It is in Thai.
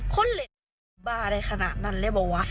คนเล่นบ้าในขณะนั้นเรียบ่วะ